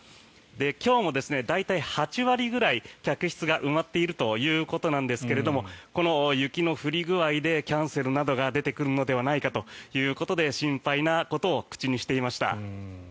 今日も大体、８割くらい客室が埋まっているということなんですけどもこの雪の降り具合でキャンセルなどが出てくるのではということで心配なことを口にしていました。